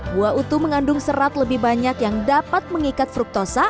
buah utuh mengandung serat lebih banyak yang dapat mengikat fruktosa